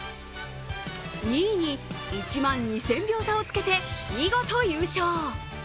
２位に１万２０００票差をつけて見事優勝。